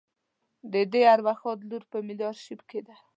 د دې ارواښاد لور په ملي آرشیف کې ده.